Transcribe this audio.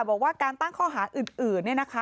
บอกว่าการตั้งข้อหาอื่นนี่นะคะ